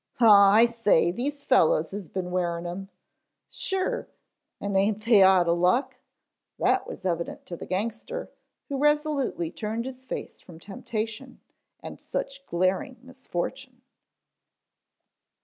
"Aw, I say, these fellows has been wearin' 'em!" "Sure, en aint they outta luck?" That was evident to the gangster, who resolutely turned his face from temptation and such glaring misfortune.